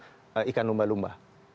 itu ada school of ikan lumba lumba